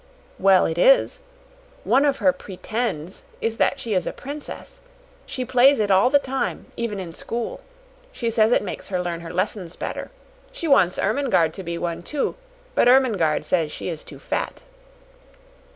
"Well, it is. One of her 'pretends' is that she is a princess. She plays it all the time even in school. She says it makes her learn her lessons better. She wants Ermengarde to be one, too, but Ermengarde says she is too fat."